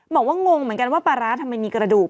งงเหมือนกันว่าปลาร้าทำไมมีกระดูก